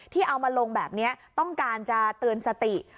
ที่เอามาลงแบบนี้ต้องการจะเตือนสติ